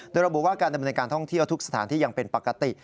โดยระบุว่าการดำเนินการท่องเที่ยวทุกสถานที่ยังเป็นปกติ